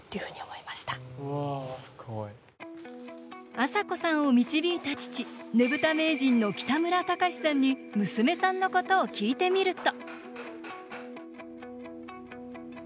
麻子さんを導いた父ねぶた名人の北村隆さんに娘さんのことを聞いてみると。